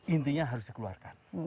intinya harus dikeluarkan